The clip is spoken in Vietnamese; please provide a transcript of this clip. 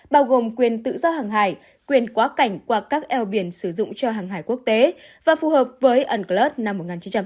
bao gồm quyền tự do hàng hải quyền quá cảnh qua các eo biển sử dụng cho hàng hải quốc tế và phù hợp với unclos năm một nghìn chín trăm tám mươi hai